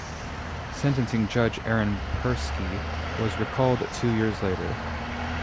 Sentencing judge Aaron Persky was recalled two years later.